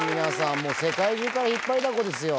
もう世界中から引っ張りだこですよ。